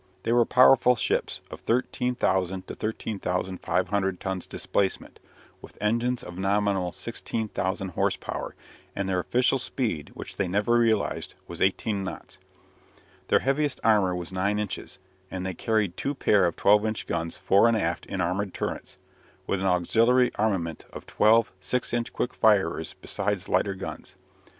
They were powerful ships of 13,000 to 13,500 tons displacement, with engines of nominal 16,000 horse power, and their official speed, which they never realized, was eighteen knots. Their heaviest armour was nine inches, and they carried two pair of 12 inch guns fore and aft in armoured turrets, with an auxiliary armament of twelve 6 inch quick firers besides lighter guns.